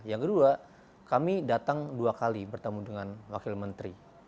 yang kedua kami datang dua kali bertemu dengan wakil menteri